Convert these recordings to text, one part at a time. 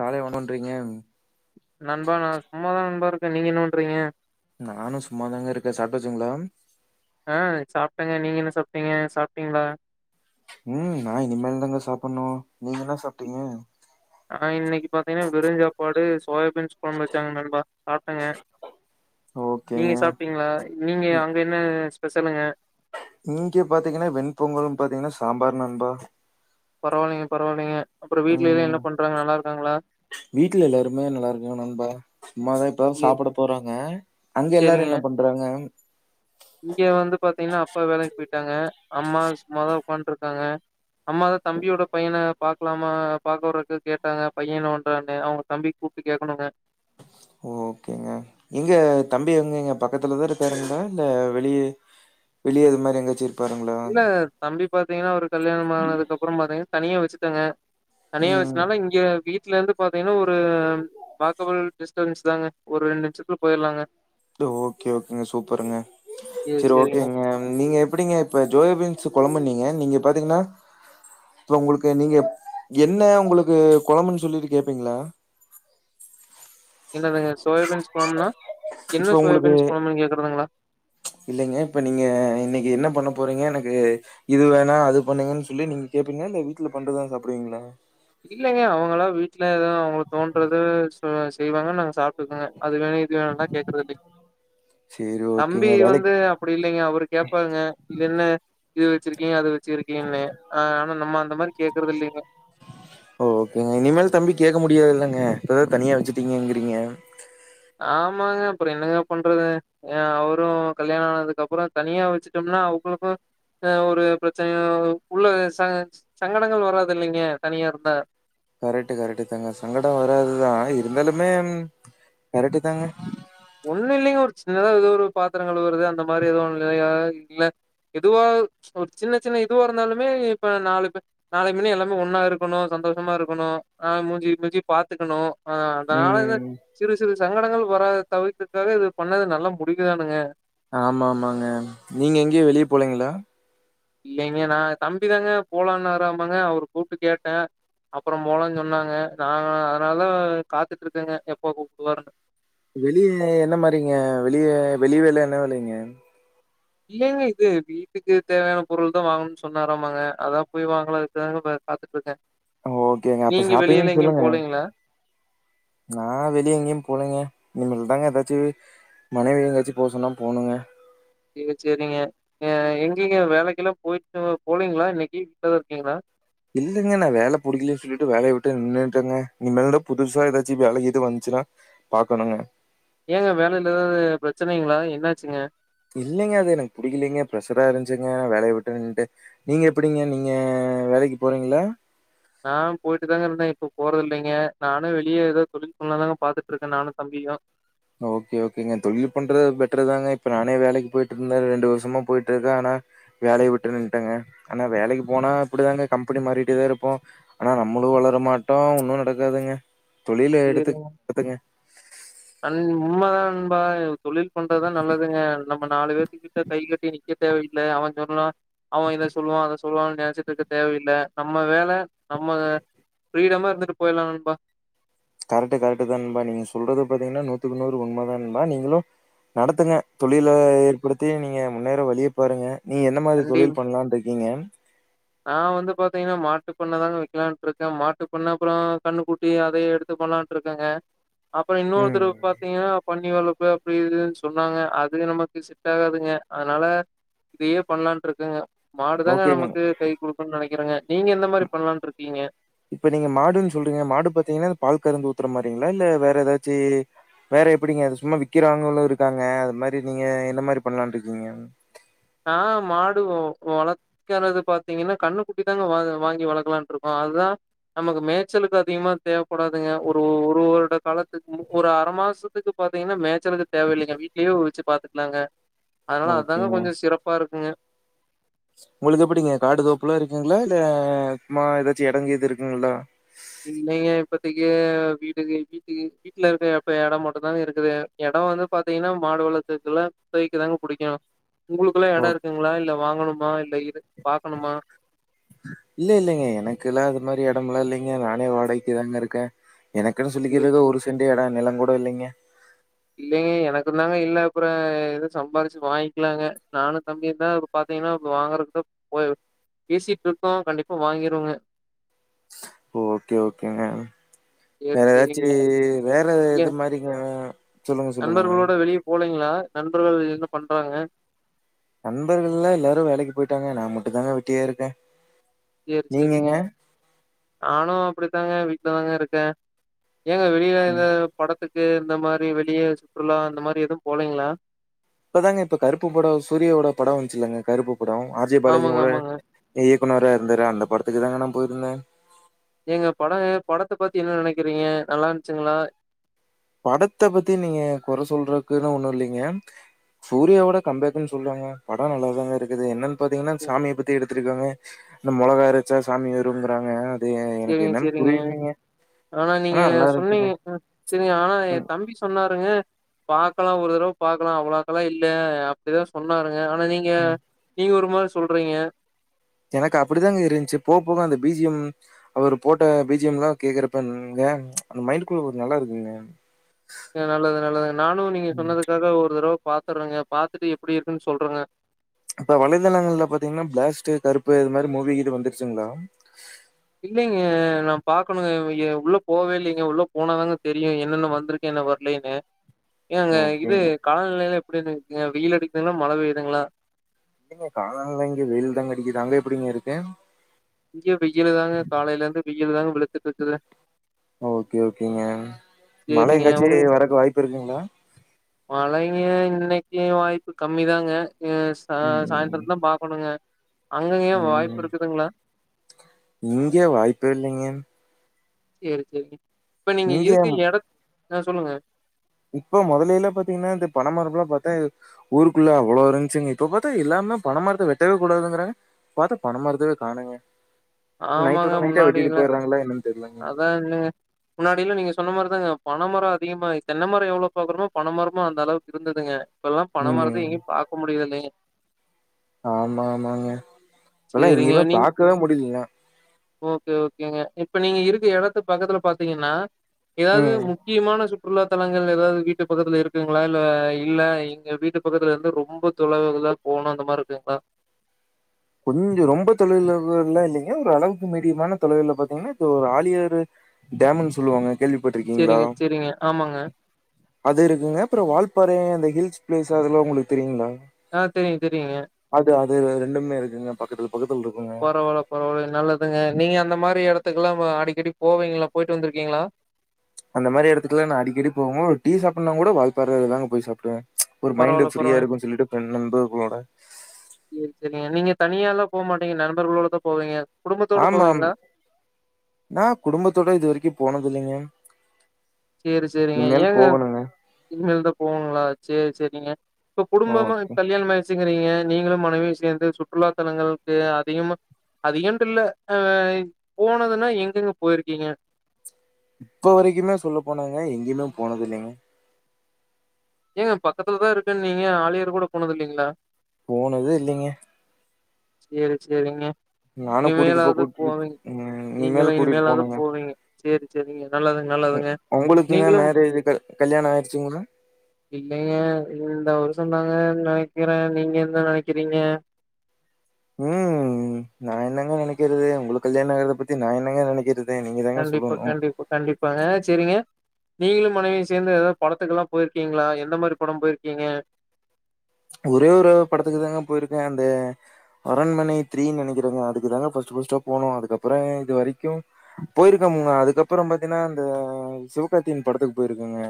காலைய் phone பண்றீங்க நண்பா நா சும்மாதா நண்பா இருக்கே நீங்க என்ன பண்றீங்க நானு சும்மாதாங்க இருக்கே சாட்டாஜிங்களா அ சாப்ட்டேங்க நீங்க என்ன சாப்ட்டீங்க சாப்ட்டீங்ளா ம் நா இனிமேல்தாங்க சாப்புன்ணு நீங்க என்ன சாப்ட்டீங்க ஆ இன்னைக்கி பாத்தீங்கன்னா வெருஞ் சாப்பாடு சோயாபீன்ஸ் கொழம்பு வச்சாங்க நண்பா சாப்ட்டங்க நீங்க ஓகேங்க சாப்ட்டீங்களா நீங்க இ- அங்க என்ன ஸ்பெஷலுங்க இங்க பாத்தீங்கன்னா வெண்பொங்கலும் பாத்தீங்கன்னா சாம்பார் நண்பா பரவால்லைங்க பரவால்லைங்க அப்புறோ வீட்லேல்ல என்ன ம் பண்றாங்க நல்லாருக் காங்ளா வீட்ல எல்லாருமே நல்லாருக்காங் நண்பா சும்மாதா இப்பதா சே சாப்புட போறாங்க அங்க எல்லாரு என்ன பண்றாங்க இங்கு வந்து பாத்தீங்கன்னா அப்பா வேலைக் போயிட்டாங்க அம்மா சும்மாதா உக்காந்துட்ருக்காங்க அம்மாதா தம்பியோட பையன பாக்கலாமா பாக்கவறக்கு கேட்டாங்க பையே என்ன பண்றானு அவுங்க தம்பிக் கூப்ட்டு கேக்கணுங்க ஓகேங்க எங்க தம்பி எங்கைங்க பக்கத்துலதா இருக்காருங்களா இல்ல வெளியே வெளியே இது மாரி எங்யாச்சு இல்ல தம்பி பாத்தீங்கன்னா அவுருக் கல்யாணோ ஆனதுக்கப்புறம் பாத்தீங்கன்னா தனியா வச்சுட்டாங்க தனியா ம் வச்சுனால இங்க வீட்லருந்து பாத்தீங்கன்னா ஒரு வாக்கபல் டிஸ்டன்ஸ் தாங்க ஒரு ரெண்டு நிஷத்துல போயிலாங்க ட்டு ஓகே ஓகேங்க சூப்பருங்க ஏ செரி சரிங்க. ஓகேங்க நீங்க எப்பிடிங்க இப்ப ஜொயா பீன்ஸ் கொழம்பிண்ணிங்க நீங்க பாத்தீங்கன்னா இப்ப உங்களுக்கு நீங்க ப் என்ன உங்களுக்கு குழம்புன்னு சொல்லிட்டு கேப்பீங்களா இல்லேல்லங்க சோயாபீன்ஸ் கொழம்புன்னா இப்போ உங்களுக்கு இல்லைங்க இப்ப நீங்க இன்னைக்கி என்ன பண்ண போறீங்க எனக்கு இது வேணா அது பண்ணுங்கன்னு சொல்லி நீங்க கேப்பீங்களா இல்ல வீட்ல பண்றதுதா சாப்டுவீங்களா இல்லங்க அவங்களா வீட்ல எதோ அவுங்களுக் தோன்றது ச செய்வாங்க நாங்க சாப்ட்டுக்கோங்க அது வேணு இது வேணுன்னா கேககுறது இல்லிங்க சரி தம்பி ஓகேங்க. வேலைக் வந்து அப் டி இல்லிங்க அவரு கேப்பாருங்க இது என்ன இது வச்சிருக்கீங்க அது வச் ச்சிருக்கீங்கன்னு ஆ ஆனா நம்ம அந்த மாரி கேக்குறது இல்லிங்க ஓகேங்க இனிமேல் தம்பி கேக்க முடியாது இல்லங்க இப்பதா தனியா வச்சுட்டீங்கங்கிறீங்க ஆமாங்க அப்புற என்னங்க பண்றது ஏ அவரு கல்யாண ஆனதுக்கு அப்புற தனியா வச்சுட்டோம்னா அவுங்களுக்கு ஆ ஒரு பிரச்சனை உள்ள ச சங்கடங்கள் வராது இல்லைங்க தனியா இருந்தா கரெக்ட்டு கரெக்ட்டு தாங்க சங்கட வராதுதா இருந்தாலுமே கரெக்ட்டு தாங்க ஒண்ணு இல்லிங்க ஒரு சின்னதா ஏதோ ஒரு பாத்துரோ கழுவுறது அந்த மாரி ஏதோ ஒன்லையா இல்ல எதுவா ஒரு சின்ன சின்ன இதுவா இருந்தாலுமே இப்ப நாலு பேர் நாளைக்கு மன்னி எல்லாமே ஒன்னா இருக்கணு சந்தோஷமா இருக்கணு நாளைக் மூஞ்சிக்கி மூஞ்சி பாத்துக்கணு ஆ அதனால தா ம். சிறு சிறு சங்கடங்கள் வராது தவிர்த்துட்டாலே இது பண்ணது நல்லா முடிக்க தானுங்க ஆமா ஆமாங்க நீங்க எங்கியு வெளியே போலீங்களா இல்லங்க நா தம்பிதாங்க போலான்னாராமாங்க அவரு கூப்ட்டு கேட்ட அப்புற போலான்னு சொன்னாங்க நாங்க அதனால தா காத்துக்கிட்ருக்கேங்க எப்போ கூப்டுவாருன்னு வெளிய என்ன மாரிங்க வெளிய வெளி வேல என்ன வேலைங்க இல்லைங்க இது வீட்டுக்கு தேவையான பொருள் தா வாங்கணுன்னு சொன்னராமாங்க அதா போய் வாங்கலான்றதுக்காக பாத் பாத்துட்ருக்க ஓகேங்க அப்ப ஷாப்பிங்க்னு சொல்லுங்க நா வெளிய எங்கியு போலிங்க இனிமேல் தாங்க ஏதாச்சு மனைவி எங்கயாச்சி போ சொன்னா போனுங்க சேர் சேரிங்க எங்கிங்க வேலைக்கெல்லா போயிட்டு போலீங்களா இன்னக்கி வீட்லதா இருக்கீங்களா இல்லிங்க நா வேல புடிக்கலே சொல்லிட்டு வேலையே விட்டே நின்னுட்டேங்க இனிமேல்தா புதுசா ஏதாச்சு வேல கீது வந்துச்சுனா பாக்கணுங்க ஏங்க வேலையில ஏதாது பிரச்சனைங்களா என்னாச்சுங்க இல்லிங்க அது எனக்கு புடிக்கிலிங்க ப்ரெஷ்ஷரா இருந்துச்சுங்க வேலைய விட்டே நின்னுட்டே நீங்க எப்பிடிங்க நீங்க வேலைக்கி போறீங்களா நா போயிட்டு தாங்க இருந்தே இப்ப போறதில்லங்க நானு வெளியே ஏதோ தொழில் பண்லா தாங்க பாத்துட்டுருக்க நானு தம்பியு ஓகே ஓகேங்க தொழில் பண்றது பெட்ரு தாங்க இப்ப நானே வேலைக்கி போயிட்ருந்த ரெண்டு வருசமா போயிட்ருக்க ஆனா வேலைய விட்டு நின்ட்டங்க ஆனா வேலைக்கி போனா இப்பிடிதாங்க கம்பெனி மாறிட்டேதா இருப்போ ஆனா நம்மளு வளர மாட்டோ ஒன்னு நடக்காதுங்க தொழில சேரி எடுத்து நடத்துங்க அன் உண்ம தா நண்பா தொழில் பண்றதுதா நல்லதுங்க நம்ம நாலு பேர்த்துக் கிட்ட கை கட்டி நிக்கத் தேவயில்ல அவ சொன்னா அவ இத சொல்லுவான் அத சொல்லுவா நெனைச்சிட்ருக்க தேவையில்ல நம்ம வேல நம்ம ஃப்ரீடமா இருந்துட்டு போய்லான் நண்பா கரெட்டு கரெட்டுதா நண்பா நீங்க சொல்றது பாத்தீங்கன்னா நூத்துக்கு நூறு உண்ம தா நண்பா நீங்களு நடத்துங்க தொழில ஏற்படுத்தி நீங்க முன்னேற வழிய பாருங்க நீ என்ன மாரி கண்டி தொழில் பண்ணலான்ருக்கீங்க நா வந்து பாத்தீங்கன்னா மாட்டுந் பண்ண தாங்க வக்கலான்ட்ருக்க மாட்டுப் பண்ண அப்புற கண்ணுகுட் டி அத எடுத்து பண்லான்ருக்கங்க அப்புற ம். இன்னோத்ரு பாத்தீங்கனா பன்னி வளர்ப்பு அப்டி இதுன் சொன்னாங்க அது நமக்கு செட்டாகாதுங்க அதனால இதையே பண்ணலான்ருக்கங்க மாடுதாங்க ஓகேங்க. நமக்கு கை குடுக்குன் நெனக்கிறங்க நீங்க எந்த மாரி பண்லான்ருக்கீங்க இப்ப நீங்க மாடுன் சொல்றீங்க மாடு பாத்தீங்கன்னா இந்த பால் கறந்து ஊத்துற மாரீங்களா இல்ல வேற எதாச்சு வேற எப்பிடிங்க அது சும்மா விக்கிறாங்களும் இருக்காங்க அது மாரி நீங்க எந்த மாரி பண்லான்ருக்கீங்க நா மாடுவோ வளக் க்கறது பாத்தீங்கன்னா கண்ணு குட்டிதாங்க வா வாங்கி வளக்கலான்ருக்கோம் அதுதான் நமக்கு மேச்சலுக்கும் அதிகமா தேவப்படாதுங்க ஒரு ஒரு வருட காலத்துக்கு ஒரு அர மாசோ த்துக்கு பாத்தீங்கன்னா மே ச்சலுக்கு தேவையில்லிங்க வீட்லே வச்சு பாத்துக்கலாங்க அதனால அதுதாங்க ஓகேங்க கொஞ்சம் சிறப்பாருக்குங்க ஒங்குளுக்கு எப்பிடிங்க காடு தோப்புலாம் இருக்குங்களா இல்ல மா ஏதாச்சு எடங்கீது இருக்குங்களா இல்லங்க இப்பத்திக்கி வீடுக்கு வீட்டுகு வீட்ல இருக்க எப்ப எடம் மட்டுந்தான் இருக்குது எடம் வந்து பாத்தீங்கன்னா மாடு வளத்துக்குள்ள தவைக்கிதாங்க புடிக்கும் ஒங்குளுக்குல்லா ஓ எடம் இருக்குங்களா இல்ல வாங்கணுமா இல்ல இரு பாக்கணுமா இல்ல இல்லைங்க எனக்குல்லாம் அது மாரி எடமெல்லா இல்லைங்க நானே வாடகைக்கு தாங்க இருக்கேன் எனக்குன்னு சேரி சொல்லிக்கிறதுக்கு ஒரு செண்டு எடம் நெலங்கூட இல்லங்க இல்லைங்க எனக்குந்தாங்க இல்ல அப்பறோ எதும் சம்பாரிச்சு வாங்கிக்கலாங்க நானும் தம்பியுந்தான் பாத்தீங்கன்னா இப்ப வாங்கறக்கு போய் பேசிட்ருக்கோ கண்டிப்பா வாங்கிருவோங்க ஓகே ஓகேங்க சரி, வேற சரிங்க. ஏதாச்சும் வேற ஏ இது மாரிங்க சொல்லுங்க சொல்லுங்க நண்பர்களோட வெளிய போலீங்களா நண்பர்கள் என்ன பண்றாங்க நண்பர்கள்ல்லாம் எல்லாரும் வேலைக்கி போயிட்டாங்க நா மட்டுந்தாங்க வெட்டியாருக்கன் சேரி சேரிங்க நானும் அப்பிடித்தாங்க வீட்ல தாங்க இருக்கேன் ஏங்க வெளியில ம். இந்த படத்துக்கு இந்த மாரி வெளிய சுற்றுலா இந்த மாரி எதுவும் போலீங்களா இப்பதாங்க இப்ப கருப்பு படம் சூரியாவோட படம் வந்துச்சுலங்க கருப்பு படம் ஆர் ஜி ஆமாங்க, பாலாஜியோட ஆமாங்க. இயக்குனர்ரா இருந்தாரே அந்தப் படத்துக்கு தாங்க போய்ருந்தே எங்க படம் படத்தை பத்தி என்ன நினைக்கிறீங்க நல்லா இருச்சுங்களா படத்தை பத்தி நீங்க குறை சொல்றக்குன்னு ஒண்ணும் இல்லைங்க சூர்யாவோட கம்பேக்ன்னு சொல்லுவாங்க படம் நல்லாதாங்க இருக்குது என்னன்னு பாத்தீங்கன்னா சாமியை பத்தி எடுத்திருக்காங்க இந்த மொளகா எறச்சா சாமி ஏருங்கிறாங்க சேரிங்க சேரிங்க ஆனா நீங்க நல்லா இருந்துச்சுங்க. சொன்னீங்க சரிங்க ஆனா என் ம், தம்பி சொன்னாருங்க பாக்கலாம் ஒரு தடவை பாக்கலாம் அவ்ளோவுக்கெல்லாம் இல்ல அப்டிதான் சொன்னாருங்க ஆனா நீங்க ம். நீங்க ஒரு மாரி சொல்றீங்க எனக்கு அப்டிதாங்க இருந்துச்சு போக போக அந்த பிஜியம் அவரு போட்ட பி ஜி எம் எல்லாம் கேக்குறப்பங்க அந்த மைண்ட குள்ள ஒரு நல்லா இருக்குங்க நல்லது நல்லதுங்க நானும் நீங்க சொன்னதுக்காக ஒரு தடவை பாத்துறேங்க பாத்துட்டு எப்டி இருக்குன்னு சொல்றேங்க இப்ப வலைதளங்கள்ல பாத்தீங்கன்னா பிளாஸ்ட் கருப்பு இது மாரி மூவி கீது வந்துருச்சுங்களா இல்லைங்க நான் பாக்கணுங்க இங் உள்ள போவே இல்லைங்க உள்ள போனாதாங்க தெரியும் என்னென்ன வந்திருக் என்ன வரலேன்னு ஏங்க இது ஓகேங்க காலநிலையில எப்டி இருக்குங்க வெயில் அடிக்குதுங்களா மழ பெய்துங்களா இங்க காலான்லா இங்க வெயில் தாங்க அடிக்குதுங்க அங்க எப்டிங்க இருக்கு இங்க வெயிலு தாங்க காலையில இருந்து வெயில் தாங்க வெழுத்துட்டு இருக்குது ஓகே ஓகேங்க மழை சரிங்க. உங் எங்காச்சும் வரக்கு வாய்ப்பு இருக்குங்களா மழைங்க இன்னைக்கு வாய்ப்பு கம்மி தாங்க எஸ் ஆ ம் சாயந்திரம் தான் பாக்கணுங்க அங்கங்கயன் வாய்ப்பு இருக்குதுங்களா இங்கே வாய்ப்பே இல்லைங்க சரி சரி இப்ப நீங்க இங்க இருக்கு எட அ சொல்லுங்க இப்ப மொதலில்லா பாத்தீங்கன்னா இந்த பண மரம்ல்லாம் பாத்து ஊருக்குள்ள அவ்ளோ இருந்துச்சுங்க இப்ப பாத்தா எல்லருமே பணமரத்தை வெட்டவே கூடாதுங்கறாங்க பாத்தா பணமரத்தவே காணங்க ஆமாங்க நைட்டோட நைட்டா வெட்டிட்டு போயிடுறாங்களா என்னன்னு தெரியலங்க ல என்னங்க முன்னாடியிலா நீங்க சொன்ன மாரிதாங்க பணமர அதிகமாய் தென்னை மரம் எவ்ளோ பாக்குறோமோ பணமரமும் அந்த அளவுக்கு இருந்ததுங்க இப்பெல்லாம் பண மரத்த ம் எங்கயும் பாக்க முடியுறது இல்லங்க ஆமா ஆமாங்க இப்பல்லா சேரிங்க எங்கியுமே நீங்க பாக்கவே முடியிலிங்க ஓகே ஓகேங்க இப்ப நீங்க இருக்கு எடத்து பக்கத்துல பாத்தீங்கனா ஏதாது ம் முக்கியமான சு சுற்றுலாதளங்கள் ஏதாது வீட்டு பக்கத்தில் இருக்குங்களா இல் இல்ல எங்க வீட்டு பக்கத்துல வந்து ரொம்ப தொலைவுகள போணு அந்த மாரி இருக்குங்களா கொஞ்சோ ரொம்ப தொலைவுல ல்லாம் இல்லிங்க ஒரு அளவுக்கு மீடியமான தொலைவுல பாத்தீங்கனா இது ஒரு ஆழியர் டேமுன் சொல்லுவாங்க கேள்விப்பட்டுருக்கீங்களா சரிங்க, சரிங்க. ஆமாங்க. அது இருக்குங்க அப்புறம் வால்பாறை அந்த ஹில்ஸ் ப்ளேஸ்ஸு அதெல்லா உங்களுக்கு தெரியுங்களா ஆ தெரியும், தெரியுங்க. அது அது ரெண்டுமே இருக்குங்க பக்கத்து பக்கத்துல இருக்குங்க பரவால பரவால நல்லதுங்க நீங்க அந்த மாரி எடத்துக்குல்லாம் அடிக்கடி போவீங்களா போயிட்டு வந்துருக்கீங்களா அந்த மாரி எடத்துக்கலாம் நான் அடிக்கடி போவோ ஒரு டீ சாப்பிடனா கூட வாழ்பாறைல்லா தா போய் சாப்பிடுவேன் ஒரு மைண்ட் பரவால்ல, ஃப்ரீயா பரவால்ல. இருக்குன்னு சொல்லிட்டு ஃரெண்ட் நண்பர்களோட சேரி சேரிங்க நீங்க தனியால்லாம் போகமாட்டீங்க நண்பர்கள்களோட தான் போவீங்க குடும்பத்தோட ஆமா போவீங்களா? நான் குடும்பத்தோட இது வரிக்கும் போனது இல்லங்க சேரி சேரிங்க ஏங்க இனிமேல தான் போகணுங்களா சேரி சேரிங்க இப்ப குடும்பமா ஓகே. கல்யாணம் மாயிருச்சிங்கிறீங்க நீங்களும் மனைவியு சேந்து சுற்றுலா தலங்களுக்கு அதிகமா அதிகண்ட்டு இல்ல அ போனதுன்னா எங்கெங்க போயிருக்கீங்க இப்ப வரைக்குமே சொல்ல போனாங்க எங்கியுமே போனதுல்ல ஏங்க பக்கத்துல தான் இருக்குன்னீங்க ஆலியர் கூட போனது இல்லிங்களா போனதே இல்லீங்க சேரி சேரிங்க நானு கூட்டிட்டு போ இனிமேலாவது கூட்டிட்டு போவிங்க ம் இனிமேல் நீங்களும் கூட்டிட்டு இனிமேலாவது போணுங்க போவீங்க சேரி சேரிங்க நல்லது உ- நல்லதுங்க உங்களுக்குங்க நீங்களும் மேரேஜ் கல்யாணம் ஆயிருச்சுங்களா இல்லைங்க இந்த வருஷம் தாங்க நெனைக்கிறேன் நீங்க என்ன நெனைக்கிறீங்க ம் நா என்னங்க நெனைக்கிறது உங்குளுக்கு கல்யாண ஆகரத பத்தி நா என்னங்க நெனைக்கிறது நீங்க தாங்க கண்டிப்பா சொல்லணு கண்டிப்பா கண்டிப்பாங்க சரிங்க நீங்குளும் மனைவியும் சேந்து ஏதாவது படத்துக்கெல்லாம் போயிருக்கீங்களா எந்த மாரி படம் போயிருக்கீங்க ஒரே ஒரு படத்துக்கு தாங்க போயிருக்கேன் அந்த அரண்மனை த்ரீனு நெனைக்கிறேங்க அதுக்கு தாங்க ஃபஸ்ட் ஃபஸ்ட்டு போணோம் அதுக்கப்புறம் இது வரிக்கும் போயிருக்கம்ங்க அதுக்கப்புறம் பாத்தீன்னா அந்த சிவகார்த்தியின் படத்துக்கு போயிருக்கங்க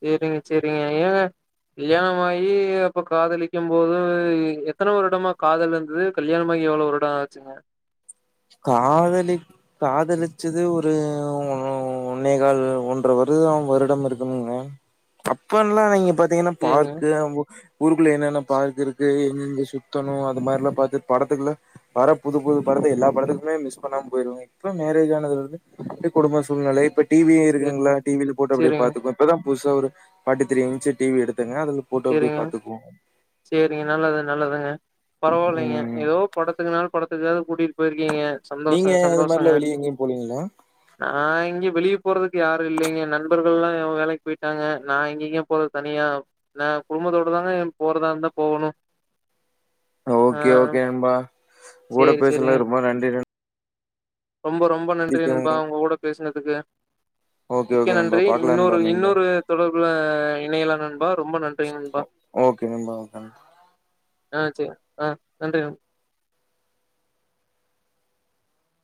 செரிங்க செரிங்க ஏங்க கல்யாணம் ஆயி அப்ப காதலிக்கும் போது எத்தன வருடமா காதல் இருந்தது கல்யாணமாகி எவ்ளோ வருடம் ஆச்சுங்க காதலி காதலிச்சது ஒரு ஒ ஒன்னேகால் ஒன்ற வருதம் வருடம் இருக்குங்க அப்பல்லா நீங்க பாத் த்தீங்கன்னா சேரிங்க, பார்க்கு ஊருக்குள்ள என்னென்ன பார்க்கு இருக்கு எங்கெங்க சுத்தணும் அது மாரிலாம் பாத்து படத்துக்குள்ளா வர புது புது படத்துக்கு எல்லா படத்துக்குமே மிஸ் பண்ணாம போயிருவ அப்பற மேரேஜ் ஆனதுல இருந்து குடும்ப சூழ்நிலையை பற் டிவி சேரிங்க, இருக்குங்களா டிவியில போட்டு அப்டியே சேரிங்க, பாத்துக்குவ இப்பதா புதுசா ஒரு பார்ட்டி த்ர இன்ச் டிவி எடுத்துங்க அது போட்டோ அப்டியே பாத்துக்குவோ சரிங்க நல்லது நல்லதுங்க பரவாயில்லைங்க ம் ஏதோ படத்துக்குனால படத்துக்காவது கூட்டிகிட்டு போயிருக்கீங்க நீங்க சந்தோஷங்க, இது மாதிரிலா வெளிய எங்கேயு போலீங்களா நா எங்கயு வெளியே போறதுக்கு யாரும் இல்லிங்க நண்பர்கள்ல்லா வேலைக்கு போயிட்டாங்க நா எங்க இங்க போறது தனியா நா குடும்பத்தோட தாங்க போறதா இருந்தா போகணும் ஆ, ஓகே ஓகே நண்பா உங்க கூட சேரி, சேரிங்க. பேசுனதுள்ள ரொம்ப நன்றி ந ரொம்ப ரொம்ப நன்றி நண்பா உங்க கூட பேசினதுக்கு ஓகே மிக்க ஓகே நண்பா நன்றி பாக்கலா நண்பா இன்னொரு மீண்டும் இன்னொரு தொடர்புல இணையல்லா நன் பாா ரொம்ப நன்றி நண்பா ஓகே நண்பா ஓகே ஆ சரி ஆ நன்றி